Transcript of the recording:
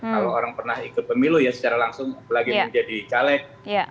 kalau orang pernah ikut pemilu ya secara langsung apalagi menjadi caleg